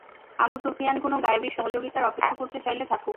আবু সুফিয়ান কোন গায়েবী সহযোগিতার অপেক্ষা করতে চাইলে থাকুক।